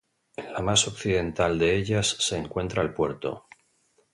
En la más occidental de ellas se encuentra el puerto.